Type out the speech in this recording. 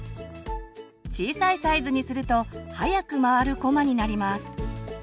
小さいサイズにすると速く回るこまになります。